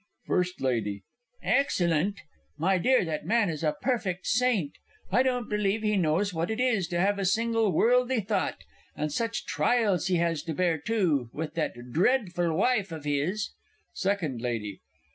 FIRST LADY. Excellent! My dear, that man is a perfect Saint! I don't believe he knows what it is to have a single worldly thought! And such trials as he has to bear, too! With that dreadful wife of his! SECOND LADY.